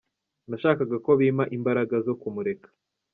Nashakaga ko bimpa imbaraga zo kumureka”.